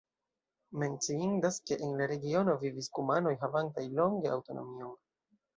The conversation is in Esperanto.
Menciindas, ke en la regiono vivis kumanoj havantaj longe aŭtonomion.